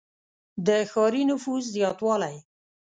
• د ښاري نفوس زیاتوالی.